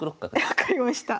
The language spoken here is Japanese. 分かりました。